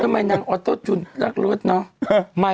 มันดี